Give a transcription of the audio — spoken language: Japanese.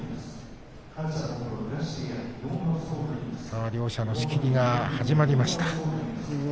さあ、両者の仕切りが始まりました。